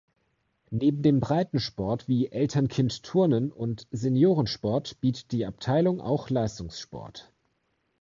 Neben dem Breitensport wie Eltern-Kind-Turnen und Seniorensport bietet die Abteilung auch Leistungssport.